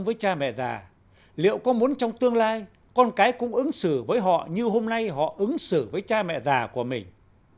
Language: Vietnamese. với cha mẹ già liệu có muốn trong tương lai con cái cũng ứng xử với họ như hôm nay họ ứng xử với cha mẹ già của mình